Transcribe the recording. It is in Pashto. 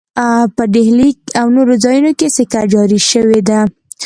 په ډهلي او نورو ځایونو کې سکه جاري شوې ده.